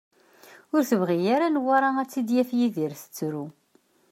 Ur tebɣi ara Newwara ad tt-id-yaf Yidir tettru.